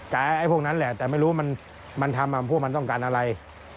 ไอ้พวกนั้นแหละแต่ไม่รู้มันทำพวกมันต้องการอะไร